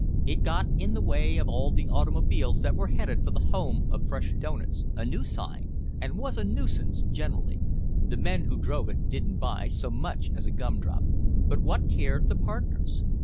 It got in the way of all the automobiles that were headed for The Home of Fresh Doughnuts (a new sign) and was a nuisance generally. The men who drove it didn't buy so much as a gumdrop. But what cared the partners?